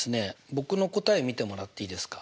僕の答え見てもらっていいですか。